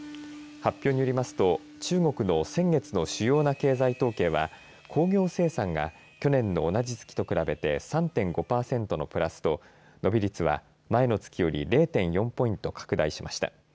発表によりますと中国の先月の主要な経済統計は工業生産が去年の同じ月と比べて３．５％のプラスと伸び率は前の月より０．４ポイント拡大しました。